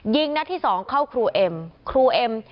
ยิงนัดที่สองเข้าครูเอ็ม